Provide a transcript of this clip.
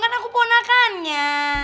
kan aku ponakannya